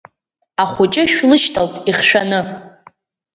Ахәыҷы шәлышьҭалт ихьшәаны.